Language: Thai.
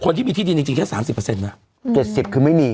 คนที่มีที่ดินจริงจริงแค่สามสิบเปอร์เซ็นต์น่ะอืมเจ็ดสิบคือไม่มี